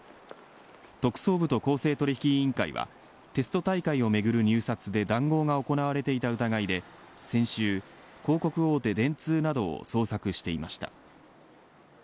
特捜部と公正取引委員会はテスト大会をめぐる入札で談合が行われていた疑いで先週、広告大手電通などを捜索していました。